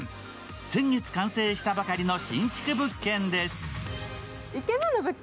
先月完成したばかりの新築物件です。